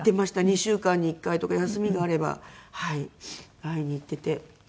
２週間に１回とか休みがあれば会いに行っていて。